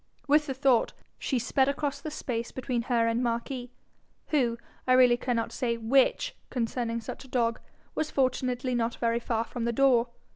With the thought, she sped across the space between her and Marquis, who I really cannot say WHICH concerning such a dog was fortunately not very far from the door.